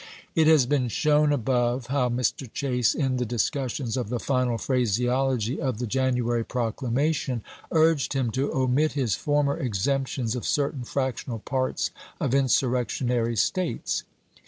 It has been shown above how Mr. Chase, in the discussions of the final phraseology of the January proclamation, urged him to omit his former exemptions of certain fractional parts of insurrectionary States.